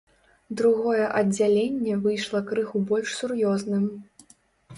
Другое аддзяленне выйшла крыху больш сур'ёзным.